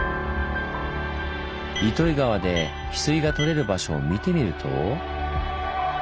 糸魚川でヒスイが採れる場所を見てみると。